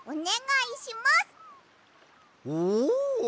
おお！